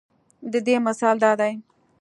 د دې مثال دا دے